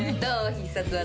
必殺技。